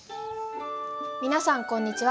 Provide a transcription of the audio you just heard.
皆さんこんにちは。